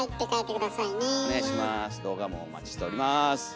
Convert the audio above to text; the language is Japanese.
動画もお待ちしております。